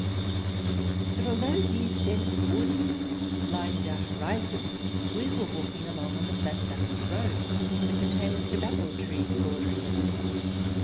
But although the dense woods lined our horizon, we were walking along on the flat, dusty road with the tamest of apple trees bordering it.